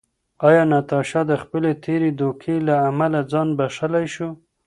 ایا ناتاشا د خپلې تېرې دوکې له امله ځان بښلی شو؟